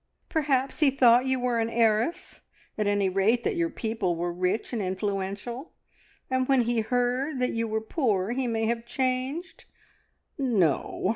Perhaps he thought you were an heiress at any rate, that your people were rich and influential, and when he heard that you were poor he may have changed." "No!"